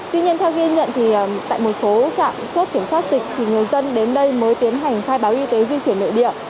tuy nhiên theo ghi nhận thì tại một số trạm chốt kiểm soát dịch thì người dân đến đây mới tiến hành khai báo y tế di chuyển nội địa